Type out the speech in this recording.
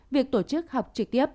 việc tổ chức học trực tiếp